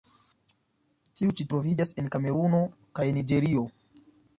Tiu ĉi troviĝas en Kameruno kaj Niĝerio.